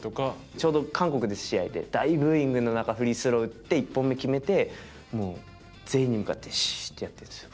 ちょうど韓国での試合で大ブーイングの中フリースロー打って１本目決めてもう全員に向かって「しーっ！」ってやってるんですよ。